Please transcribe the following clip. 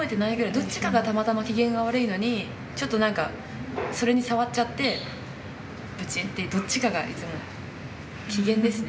どっちかがたまたま機嫌が悪いのに、ちょっとなんか、それに触っちゃって、ぶちって、どっちかがいつも機嫌ですね。